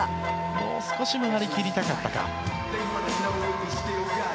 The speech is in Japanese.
もう少し回り切りたかったか。